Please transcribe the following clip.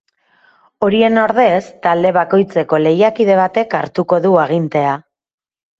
Horien ordez, talde bakoitzeko lehiakide batek hartuko du agintea.